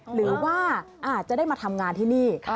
หรือว่าอาจจะได้มาทำงานที่นี่